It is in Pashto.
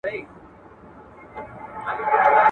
ما ویل چي یو سالار به پیدا کیږي.